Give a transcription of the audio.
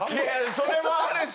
それもあるし